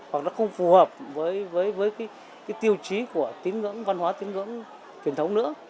hoặc nó không phù hợp với cái tiêu chí của tín ngưỡng văn hóa tín ngưỡng truyền thống nữa